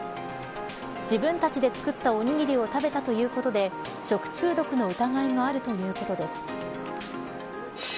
自分たちで作ったおにぎりを食べたということで食中毒の疑いがあるということです。